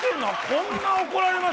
こんな怒られます？